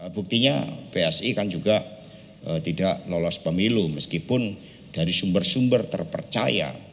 buktinya psi kan juga tidak lolos pemilu meskipun dari sumber sumber terpercaya